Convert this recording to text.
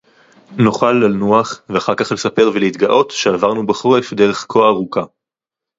נוּכַל לָנוּחַ וְאַחַר כָּךְ לְסַפֵּר וּלְהִתְגָּאוֹת שֶׁעָבַרְנוּ בַּחוֹרֶף דֶּרֶךְ כֹּה אֲרֻוכָּה.